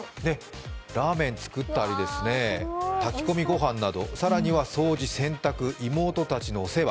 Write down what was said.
ラーメン作ったり、炊き込みご飯など、更には掃除・洗濯、妹たちのお世話。